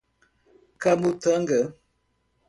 Camutanga